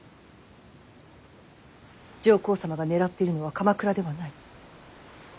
上皇様が狙っているのは鎌倉ではない。